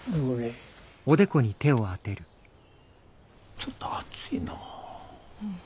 ちょっと熱いなぁ。